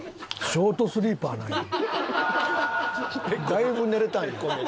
ショートスリーパーや。